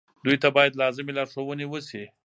دوی ته باید لازمې لارښوونې وشي.